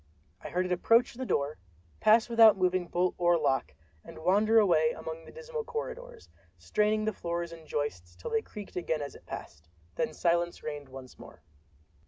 I heard it approach the door—pass out without moving bolt or lock—and wander away among the dismal corridors, straining the floors and joists till they creaked again as it passed—and then silence reigned once more.